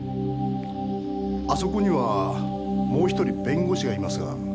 あそこにはもう１人弁護士がいますが。